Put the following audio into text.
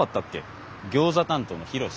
ギョーザ担当のヒロシ。